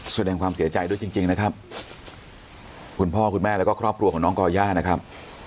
แสดงความเสียใจด้วยจริงจริงนะครับคุณพ่อคุณแม่แล้วก็ครอบครัวของน้องก่อย่านะครับ